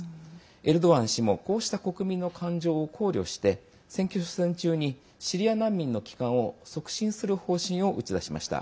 エルドアン氏もこうした国民の感情を考慮して選挙戦中に、シリア難民の帰還を促進する方針を打ち出しました。